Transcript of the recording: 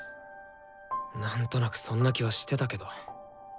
なんとなくそんな気はしてたけど。